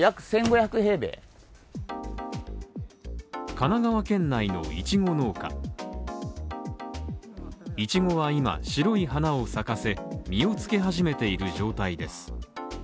神奈川県内のイチゴ農家いちごは今、白い花を咲かせ実をつけ始めている状態です。